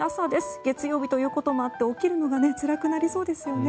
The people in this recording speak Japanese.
月曜日ということもあって起きるのがつらくなりそうですよね。